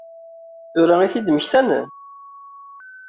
Tura i t-id-mmektan?